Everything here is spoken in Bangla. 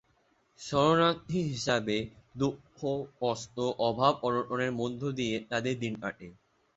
শরণার্থী হিসেবে দুঃখ-কষ্ট, অভাব-অনটনের মধ্য দিয়ে তাঁদের দিন কাটে।